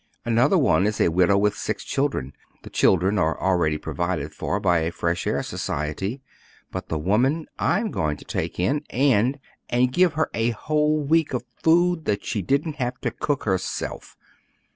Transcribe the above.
"Another one is a widow with six children. The children are already provided for by a fresh air society, but the woman I'm going to take, and and give her a whole week of food that she didn't have to cook herself.